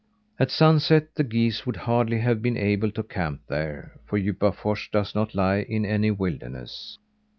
At sunset the geese would hardly have been able to camp there, for Djupafors does not lie in any wilderness.